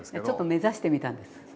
ちょっと目指してみたんです。